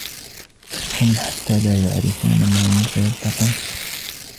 هُم حتىَ لا يعرفون من سيلتقون.